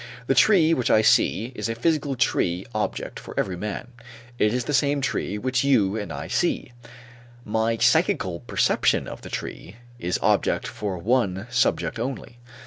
The tree which I see is as physical tree object for every man, it is the same tree which you and I see; my psychical perception of the tree is object for one subject only.